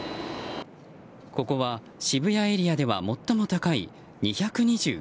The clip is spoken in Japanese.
ここは渋谷エリアでは最も高い２２９ｍ。